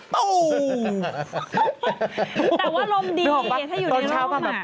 แต่ว่ารมดีถ้าอยู่ในร่ม